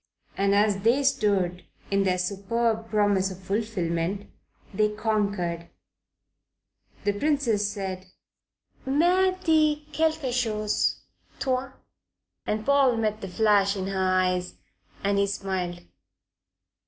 And as they stood, in their superb promise of fulfilment, they conquered. The Princess said: "Mais dis quelque chose, toi." And Paul met the flash in her eyes, and he smiled.